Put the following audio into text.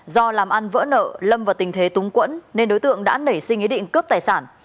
do làm ăn vỡ nợ lâm vào tình thế túng quẫn nên đối tượng đã nảy sinh ý định cướp tài sản